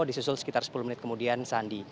disusul sekitar sepuluh menit kemudian sandi